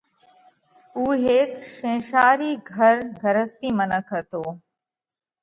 اُو هيڪ شينشارِي گھر گھرستِي منک هتو۔